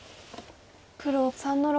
黒３の六。